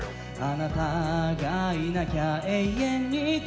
「あなたがいなきゃ永遠に」